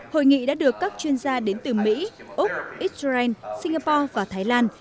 hội nghị đã được các chuyên gia đến từ mỹ úc israel singapore và thái lan